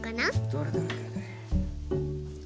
どれどれどれどれ。